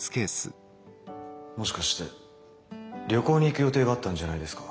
もしかして旅行に行く予定があったんじゃないですか？